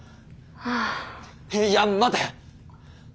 いや待て。